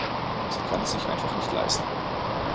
Sie kann es sich einfach nicht leisten.